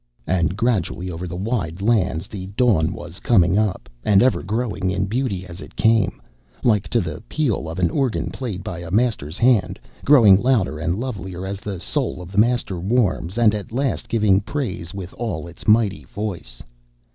And gradually over the wide lands the dawn was coming up, and ever growing in beauty as it came, like to the peal of an organ played by a master's hand, growing louder and lovelier as the soul of the master warms, and at last giving praise with all its mighty voice.